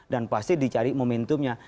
dan pasti dicari momentumnya